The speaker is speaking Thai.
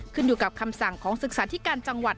ขึ้นอยู่กับคำสั่งของศึกษาธิการจังหวัด